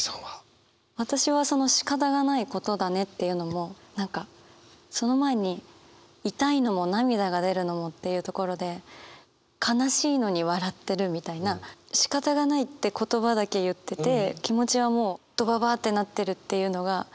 私はその「仕方がない事だね」っていうのも何かその前に「痛いのも涙が出るのも」っていうところで悲しいのに笑ってるみたいな「仕方がない」って言葉だけ言ってて気持ちはもうどばばってなってるっていうのが。